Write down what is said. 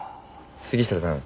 杉下さん。